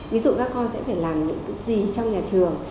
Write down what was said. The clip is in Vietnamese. ví dụ các con sẽ phải làm những gì trong nhà trường